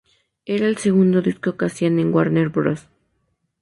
Era el segundo disco que hacían en Warner Bros.